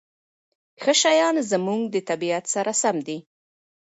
ښه شیان زموږ د طبیعت سره سم دي.